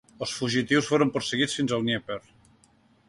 Els fugitius foren perseguits fins al Dnièper.